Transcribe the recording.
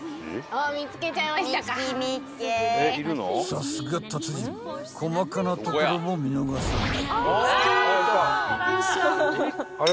［さすが達人細かなところも見逃さない］